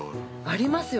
◆ありますよ。